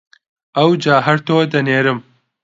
ئەوجار هەر تۆ دەنێرم!